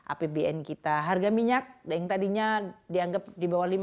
apbn kita harga minyak yang tadinya dianggap di bawah lima puluh sekarang sudah lima puluh